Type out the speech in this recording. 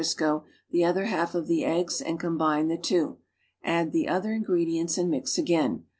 =eo, the other half of the eggs and combine the two; add the other ingredients and mix again.